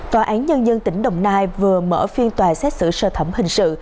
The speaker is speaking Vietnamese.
tòa án nhân dân tp hcm vừa mở phiên tòa xét xử sơ thẩm hình sự